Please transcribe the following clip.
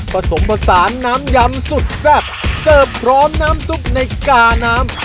ผสมผสานน้ำยำสุดแซ่บเสิร์ฟพร้อมน้ำซุปในกาน้ำ